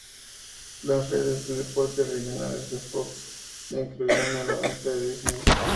Las redes de deportes regionales de Fox se incluirían en la venta a Disney.